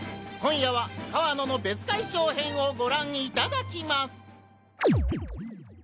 今夜は河野の「別海町編」をご覧いただきます！